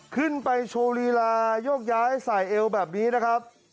ขึ้นไปโชว์ลีลายกย้ายสายเอวแบบนี้นะครับ